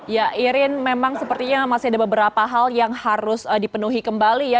ya irin memang sepertinya masih ada beberapa hal yang harus dipenuhi kembali ya